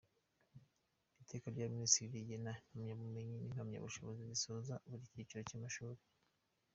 Iteka rya Minisitiri rigena impamyabumenyi n’impamyabushobozi zisoza buri cyiciro cy’amashuri;.